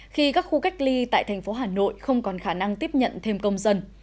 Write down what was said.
khi các khu cách ly tại thành phố hà nội không còn khả năng tiếp nhận thêm công dân